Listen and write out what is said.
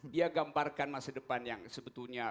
dia gambarkan masa depan yang sebetulnya